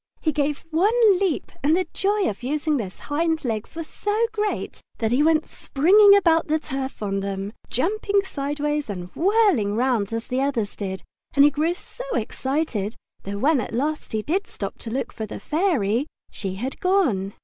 He gave one leap and the joy of using those hind legs was so great that he went springing about the turf on them, jumping sideways and whirling round as the others did, and he grew so excited that when at last he did stop to look for the Fairy she had gone.